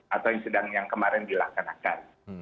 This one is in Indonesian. atau yang sedang yang kemarin dilaksanakan